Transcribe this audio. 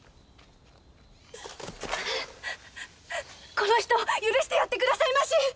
この人を許してやってくださいまし！